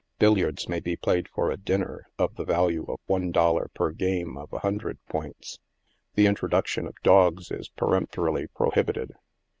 Billiards may be played for a dinner of the value of one dollar per game of a hundred points. The introduction of dogs is peremptorily prohibit ed.